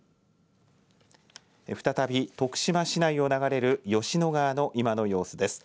再び徳島市内を流れる吉野川の今の様子です。